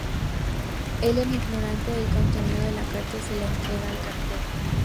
Ellen, ignorante del contenido de la carta, se la entrega al cartero.